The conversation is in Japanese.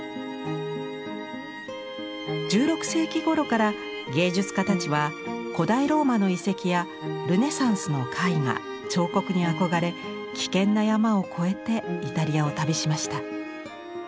１６世紀ごろから芸術家たちは古代ローマの遺跡やルネサンスの絵画・彫刻に憧れ危険な山を越えてイタリアを旅しました。